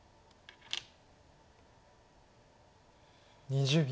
２０秒。